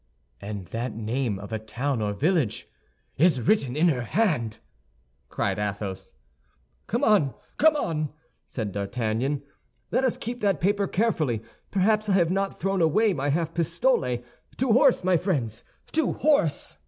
"And that name of a town or village is written in her hand!" cried Athos. "Come on, come on!" said D'Artagnan; "let us keep that paper carefully, perhaps I have not thrown away my half pistole. To horse, my friends, to horse!"